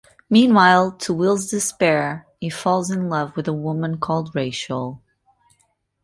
Meanwhile, to Will's despair, he falls in love with a woman called Rachel.